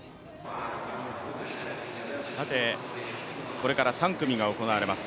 これから３組が行われます。